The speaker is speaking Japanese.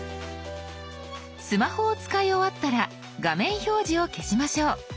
スマホを使い終わったら画面表示を消しましょう。